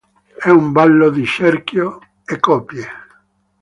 È un ballo di cerchio a coppie.